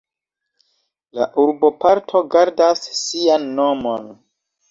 La urboparto gardas sian nomon.